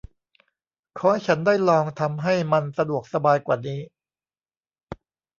ขอให้ฉันได้ลองทำให้มันสะดวกสบายกว่านี้